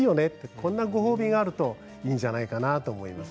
こんなご褒美があるといいんじゃないかなと思います。